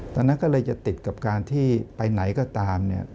ตอนนั้นก็เลยจะติดกับการที่ไปไหนก็ตามเนี่ย